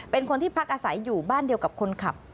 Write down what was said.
เป็นคนที่พักอาศัยอยู่บ้านเดียวกับคนขับ